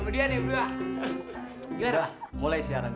udah mulai siaran nih